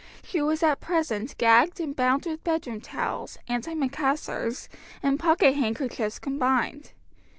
She was at present gagged and bound with bedroom towels, antimacassars, and pocket handkerchiefs combined.